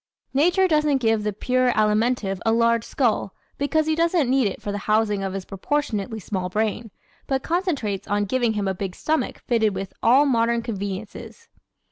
Nature doesn't give the pure Alimentive a large skull because he doesn't need it for the housing of his proportionately small brain, but concentrates on giving him a big stomach fitted with "all modern conveniences."